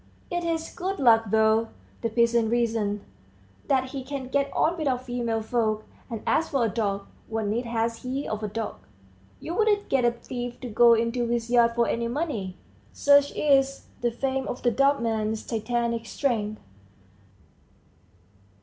"It's his good luck, though," the peasants reason, "that he can get on without female folk; and as for a dog what need has he of a dog? you wouldn't get a thief to go into his yard for any money!" Such is the fame of the dumb man's Titanic strength.